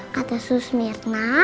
kata sus mirna